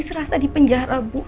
serasa di penjara bu